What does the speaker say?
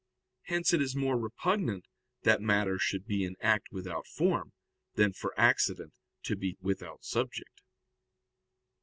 Hence it is more repugnant that matter should be in act without form, than for accident to be without subject.